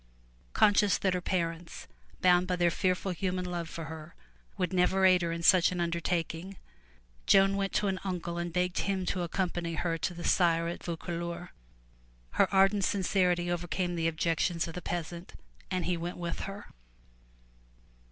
Conscious that her parents, bound by their fearful human love for her, would never aid her in such an under 307 MY BOOK HOUSE taking, Joan went to an uncle and begged him to accompany her to the Sire at Vaucouleurs (Vo coo leur'). Her ardent sincerity overcame the objections of the peasant and he went with her.